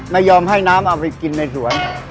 ไม่ยอมห้ายน้ำก็กินในสวน